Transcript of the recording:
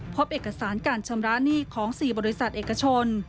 พบเอกสารการชำระหนี้ของ๔บริษัทเอกชน